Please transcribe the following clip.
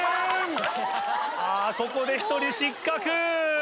ここで１人失格。